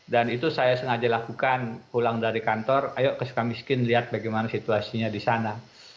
dan itu saya sengaja lakukan pulang dari kantor ayo ke suka miskin lihat bagaimana situasinya di sana